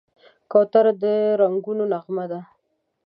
کوتره د رنګونو نغمه ده.